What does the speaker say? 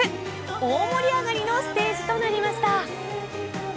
大盛り上がりのステージとなりました。